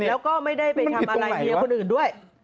แล้วก็ไม่ได้ไปทำอะไรเมียคนอื่นด้วย